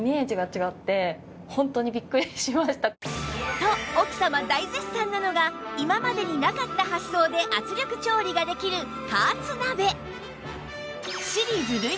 と奥様大絶賛なのが今までになかった発想で圧力調理ができる加圧鍋